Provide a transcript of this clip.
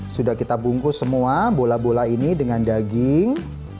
sudah kita bungkus semua bola bola ini dengan daging